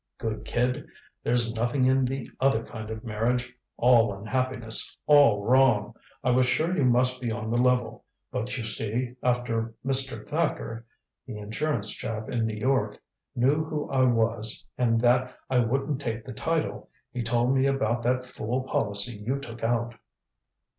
"Good kid. There's nothing in the other kind of marriage all unhappiness all wrong. I was sure you must be on the level but, you see, after Mr. Thacker the insurance chap in New York knew who I was and that I wouldn't take the title, he told me about that fool policy you took out."